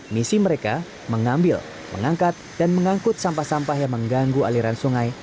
misi mereka mengambil mengangkat dan mengangkut sampah sampah yang mengganggu aliran sungai